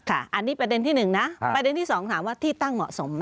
อันนี้ประเด็นที่๑นะประเด็นที่๒ถามว่าที่ตั้งเหมาะสมไหม